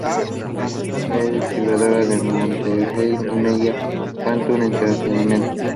Es distribuida por Monterey Media y Quantum Entertainment.